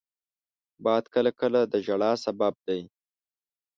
باد کله کله د ژړا سبب دی